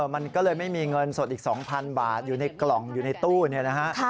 มันก็เลยไม่มีเงินสดอีก๒๐๐๐บาทอยู่ในกล่องอยู่ในตู้เนี่ยนะฮะ